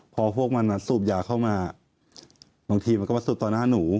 พอพวกมันสูบยาเข้ามาบางทีมันก็มาสูบต่อหน้าหนู